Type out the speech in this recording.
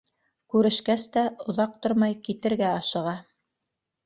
Күрешкәс тә, оҙаҡ тормай, китергә ашыға.